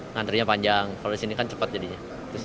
ngantrinya panjang kalau di sini kan cepat jadinya